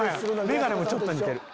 眼鏡もちょっと似てる。